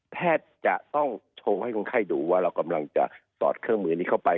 แพทย์จะต้องโชว์ให้คนไข้ดูว่าเรากำลังจะสอดเครื่องมือนี้เข้าไป